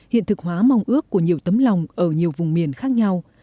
hiện thực hóa mong ước của nhiều tấm lòng ở nhiều vùng miền khác nhau